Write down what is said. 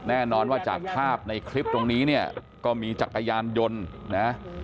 แน่นอนว่าจากภาพในคลิปตรงนี้เนี่ยก็มีจักรยานยนต์นะ